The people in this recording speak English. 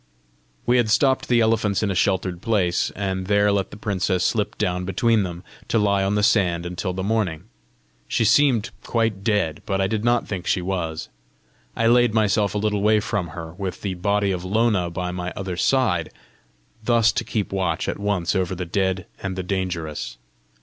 We had stopped the elephants in a sheltered place, and there let the princess slip down between them, to lie on the sand until the morning. She seemed quite dead, but I did not think she was. I laid myself a little way from her, with the body of Lona by my other side, thus to keep watch at once over the dead and the dangerous.